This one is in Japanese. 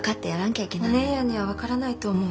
お姉やんには分からないと思う。